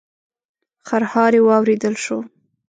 خرهاری واورېدل شو.